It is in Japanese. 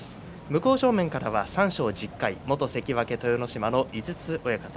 向正面からは三賞１０回元関脇豊ノ島の井筒親方。